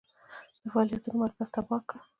د فعالیتونو مرکز تباه کړ.